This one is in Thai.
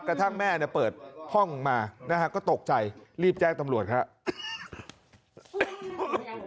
กระทั่งแม่เนี่ยเปิดห้องมานะฮะก็ตกใจรีบแจ้งตำรวจครับ